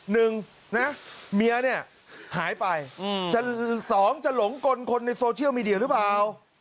หนึ่งนะเมียเนี่ยหายไปจะสองจะหลงกลคนในโซเชียลมีเดียหรือเปล่า